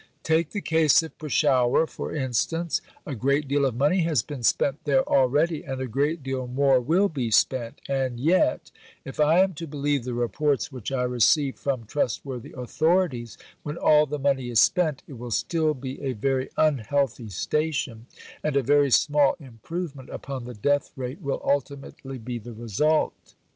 Take the case of Peshawur for instance. A great deal of money has been spent there already, and a great deal more will be spent; and yet, if I am to believe the reports which I receive from trustworthy authorities, when all the money is spent, it will still be a very unhealthy station, and a very small improvement upon the death rate will ultimately be the result.